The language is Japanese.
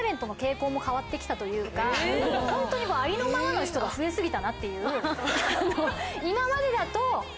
ホントにありのままの人が増え過ぎたなっていう。